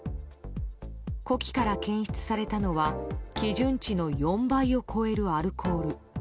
呼気から検出されたのは基準値の４倍を超えるアルコール。